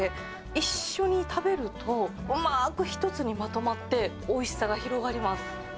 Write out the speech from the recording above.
一緒に食べると、うまく一つにまとまって、おいしさが広がります。